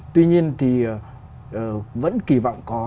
tuy nhiên thì vẫn kỳ vọng có